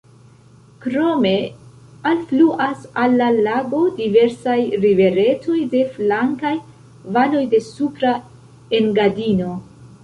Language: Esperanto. Krome alfluas al la lago diversaj riveretoj de flankaj valoj de Supra Engadino.